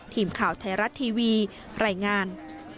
ทีมข่าวไทยรัฐทีวีรายงาน